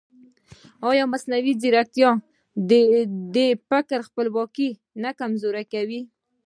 ایا مصنوعي ځیرکتیا د فکر خپلواکي نه کمزورې کوي؟